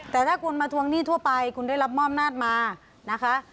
แต่ถ้าคุณมาทวงหนี้ทั่วไปคุณได้รับมอบอำนาจมานะคะ